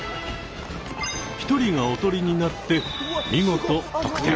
１人がおとりになって見事得点。